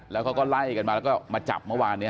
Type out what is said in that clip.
แล้วเขาก็ไล่กันมาแล้วก็มาจับเมื่อวานนี้